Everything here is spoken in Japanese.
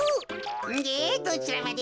でどちらまで？